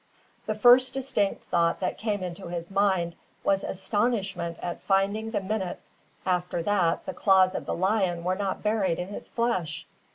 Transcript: The first distinct thought that came into his mind was astonishment at finding the minute after that the claws of the lion were not buried in his flesh!